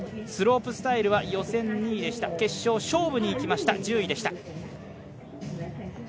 スロープスタイルは予選２位でした決勝、勝負にいきました１０位でした。